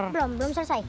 belom belum selesai